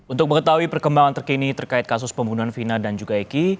untuk mengetahui perkembangan terkini terkait kasus pembunuhan vina dan juga eki